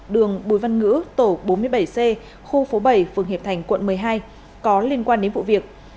đường bùi văn ngữ tổ bốn mươi bảy c khu phố bảy phường hiệp thành quận một mươi hai có liên quan đến vụ việc